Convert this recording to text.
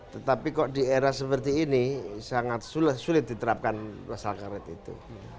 tetapi kok di era seperti ini sangat sulit diterapkan pasal karet itu